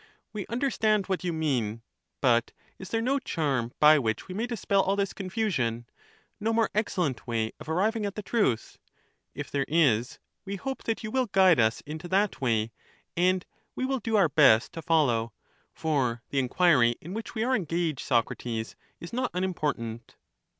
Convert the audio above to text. We to the understand what you mean ; but is there no charm by which ^™^^ we may dispel all this confusion, no more excellent way of arriving at the truth ? If there is, we hope that you will guide us into that way, and we will do our best to follow, for the enquiry in which we are engaged, Socrates, is not unimportant.